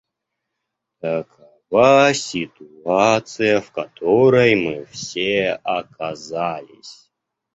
Такова ситуация, в которой мы все оказались.